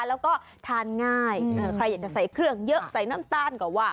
แล้วก็ทานง่ายใครอยากจะใส่เครื่องเยอะใส่น้ำตาลก็ว่า